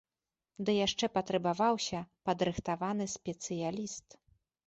Ды яшчэ патрабаваўся падрыхтаваны спецыяліст.